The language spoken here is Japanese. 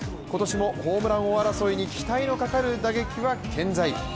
今年もホームラン王争いに期待のかかる打撃は健在。